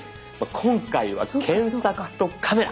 今回は検索とカメラ